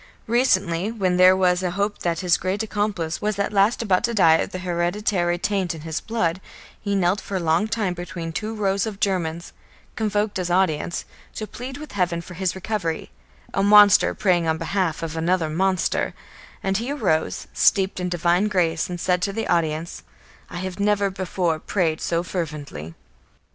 Recently, when there was a hope that his great accomplice was at last about to die of the hereditary taint in his blood, he knelt for a long time between two rows of Germans, convoked as audience, to plead with heaven for his recovery a monster praying on behalf of another monster and he arose, steeped in divine grace, and said to the audience: "I have never before prayed so fervently."